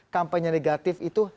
kampanye negatif itu